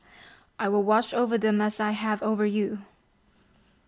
"I will watch over them as I have over you."